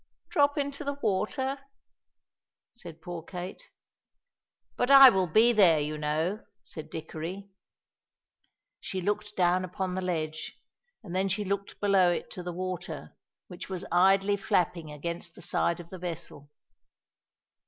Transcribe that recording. "Drop into the water!" said poor Kate. "But I will be there, you know," said Dickory. She looked down upon the ledge, and then she looked below it to the water, which was idly flapping against the side of the vessel.